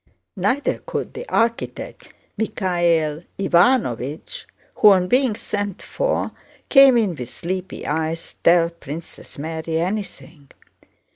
Neither could the architect Michael Ivánovich, who on being sent for came in with sleepy eyes, tell Princess Mary anything.